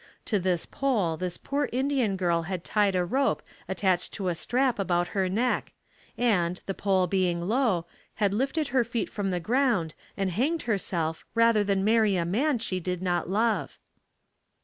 To this pole this poor Indian girl had tied a rope attached to a strap about her neck and, the pole being low, had lifted her feet from the ground and hanged herself rather than marry a man she did not love.